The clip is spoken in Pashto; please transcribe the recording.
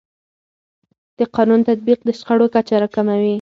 د قانون تطبیق د شخړو کچه راکموي.